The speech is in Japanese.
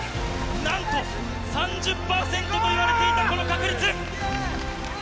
なんと３０％と言われていたこの確率。